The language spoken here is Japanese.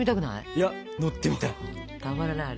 いや乗ってみたい！